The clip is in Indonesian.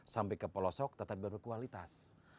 sampai ke pelosok tetapi berkualitas